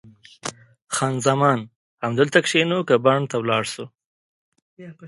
خان زمان: همدلته کښېنو که بڼ ته ولاړ شو؟